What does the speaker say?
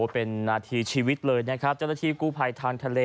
เป็นนาทีชีวิตเลยนะครับเจ้าหน้าที่กู้ภัยทางทะเล